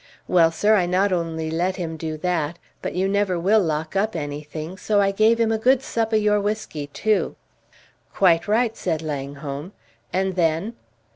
Well, sir, I not only let him do that, but you never will lock up anything, so I gave him a good sup o' your whiskey too!" "Quite right," said Langholm "and then?"